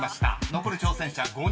［残る挑戦者５人です。